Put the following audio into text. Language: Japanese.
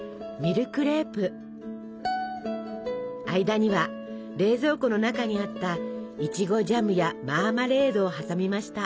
間には冷蔵庫の中にあったいちごジャムやマーマレードを挟みました。